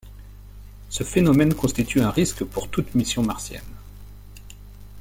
Ce phénomène constitue un risque pour toute mission martienne.